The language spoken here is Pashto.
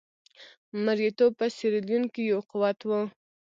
مریتوب په سیریلیون کې یو قوت وو.